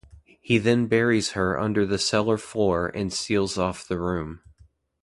He then buries her under the cellar floor and seals off the room.